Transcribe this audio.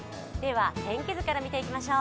天気図から見ていきましょう。